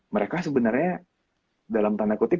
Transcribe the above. mereka sebenarnya dalam tanda kutip